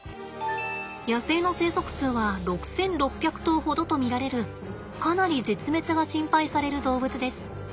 野生の生息数は６，６００頭ほどと見られるかなり絶滅が心配される動物です。